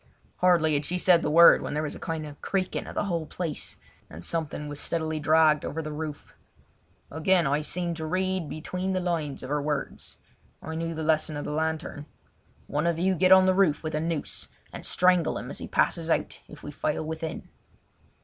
Hardly had she said the word when there was a kind of creaking of the whole place, and something was steadily dragged over the roof. Again I seemed to read between the lines of her words. I knew the lesson of the lantern. "One of you get on the roof with a noose and strangle him as he passes out if we fail within."